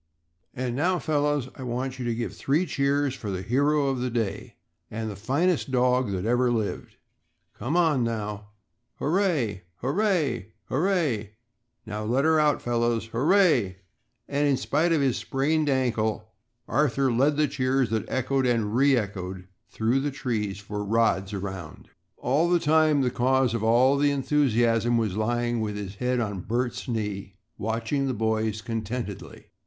And now, fellows, I want you to give three cheers for the hero of the day and the finest dog that ever lived. Come on, now "HOORAY HOORAY HOORAY Now let 'er out fellows HOORAY," and in spite of his sprained ankle, Arthur led the cheers that echoed and re echoed through the trees for rods around. All the time the cause of all the enthusiasm was lying with his head on Bert's knee, watching the boys contentedly.